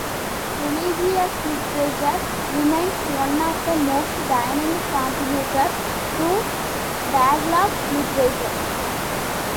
Religious literature remains one of the most dynamic contributors to Tagalog literature.